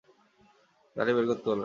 গাড়ি বের করতে বললেন।